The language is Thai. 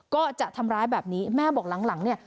ก็จะทำร้ายแบบนี้แม่บอกหลังเนี่ย